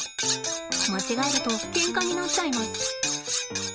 間違えるとケンカになっちゃいます。